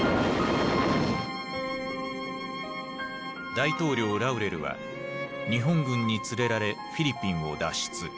大統領ラウレルは日本軍に連れられフィリピンを脱出。